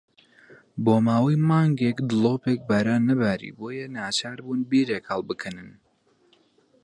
بۆ ماوەی مانگێک دڵۆپێک باران نەباری، بۆیە ناچار بوون بیرێک هەڵبکەنن.